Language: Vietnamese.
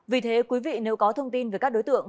vì thế quý vị nếu có thông tin về các đối tượng